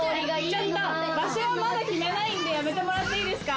・ちょっと場所はまだ決めないんでやめてもらっていいですか？